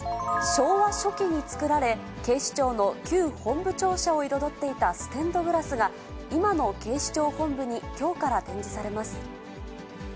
昭和初期に作られ、警視庁の旧本部庁舎を彩っていたステンドグラスが、今の警視庁本部にきょうから展示されます。